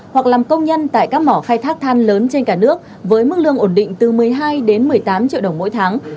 hoặc làm công nhân tại các mỏ khai thác than lớn trên cả nước với mức lương ổn định từ một mươi hai đến một mươi tám triệu đồng mỗi tháng